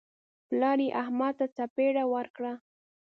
پلار یې احمد ته څپېړه ورکړه.